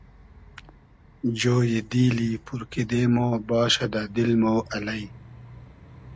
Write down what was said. جۉیی دیلی پور کیدې مۉ باشۂ دۂ دیل مۉ الݷ